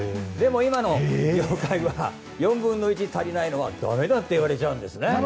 でも、今の業界は４分の１足りないのはだめだといわれちゃうんですね。